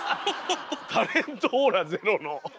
タレントオーラゼロの。